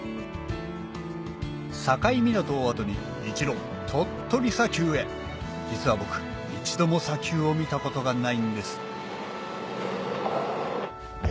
境港を後に一路鳥取砂丘へ実は僕一度も砂丘を見たことがないんですえ